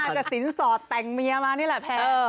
กับสินสอดแต่งเมียมานี่แหละแพ้